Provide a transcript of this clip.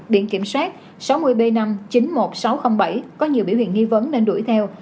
biển kiểm soát sáu mươi b năm chín mươi một nghìn sáu trăm linh bảy có nhiều biểu hiện nghi vấn nên đuổi theo